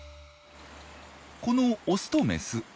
このオスとメス。